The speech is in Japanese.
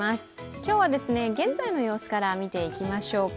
今日は現在の様子から見ていきましょうか。